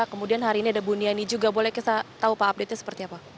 kemudian hari ini ada buniani juga boleh kita tahu pak update nya seperti apa